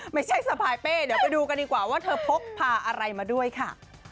สะพายเป้เดี๋ยวไปดูกันดีกว่าว่าเธอพกพาอะไรมาด้วยค่ะ